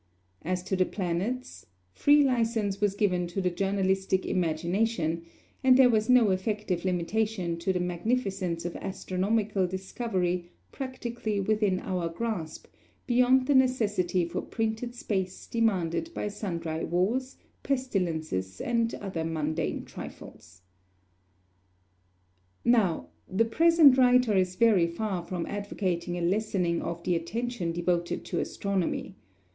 As to the planets free license was given to the journalistic imagination, and there was no effective limitation to the magnificence of astronomical discovery practically within our grasp, beyond the necessity for printed space demanded by sundry wars, pestilences, and other mundane trifles. [Illustration: Yerkes Observatory, University of Chicago.] Now, the present writer is very far from advocating a lessening of the attention devoted to astronomy.